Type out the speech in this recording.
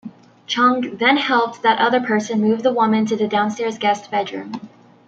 Chung then helped that other person move the woman to the downstairs guest bedroom.